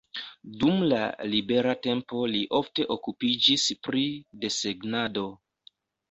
Dum la libera tempo li ofte okupiĝis pri desegnado.